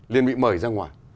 liên bị mời ra ngoài